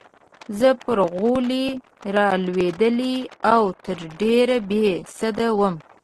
زه پر غولي رالوېدلې او تر ډېره بې سده وم.